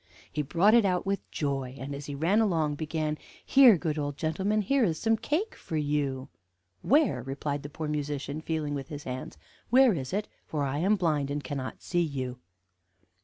He brought it out with joy, and, as he ran along, began: 'Here, good old man, here is some cake for you.' "'Where?' replied the poor musician, feeling with his hands; 'where is it? For I am blind, and cannot see you.'